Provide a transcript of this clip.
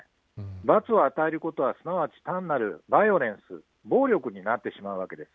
罰を与えることはすなわち単なるバイオレンス、暴力になってしまうわけです。